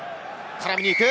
絡みにいく。